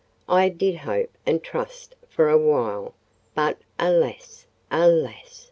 I did hope and trust for a while: but, alas, alas!